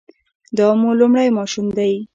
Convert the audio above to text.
دا مو لومړی ماشوم دی؟